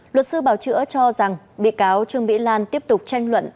luật sư bảo chữa cho rằng bị cáo trương mỹ lan tiếp tục tranh luận